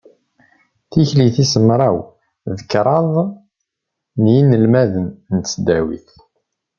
Tikli tis mraw d kraḍ n yinelmaden n tesdawit.